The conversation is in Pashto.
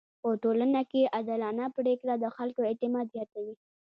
په ټولنه کي عادلانه پریکړه د خلکو اعتماد زياتوي.